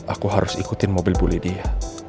aku harus ikutin mobil bule dia